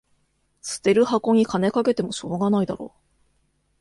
捨てる箱に金かけてもしょうがないだろ